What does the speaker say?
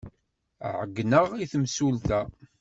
Ɛeyyneɣ i temsulta.